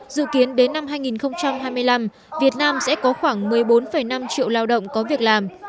dự kiến đến năm hai nghìn hai mươi năm việt nam sẽ có khoảng một mươi bốn năm triệu lao động có việc làm